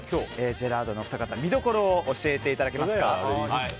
ジェラードンのお二人見どころを教えていただけますか。